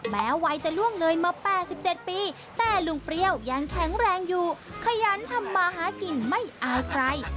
แม้วัยจะล่วงเลยมา๘๗ปีแต่ลุงเปรี้ยวยังแข็งแรงอยู่ขยันทำมาหากินไม่อายใคร